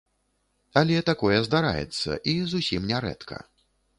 Але такое здараецца і зусім не рэдка.